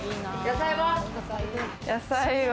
野菜は？